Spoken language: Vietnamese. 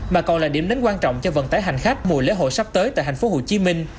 mà còn là điểm đến quan trọng cho vận tải hành khách mùa lễ hội sắp tới tại thành phố hồ chí minh